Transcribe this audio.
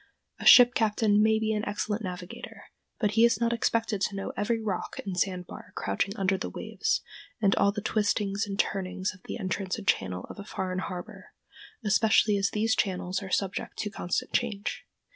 A ship captain may be an excellent navigator, but he is not expected to know every rock and sandbar crouching under the waves, and all the twistings and turnings of the entrance and channel of a foreign harbor, especially as these channels are subject to constant change.